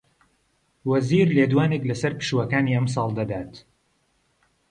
وەزیر لێدوانێک لەسەر پشووەکانی ئەمساڵ دەدات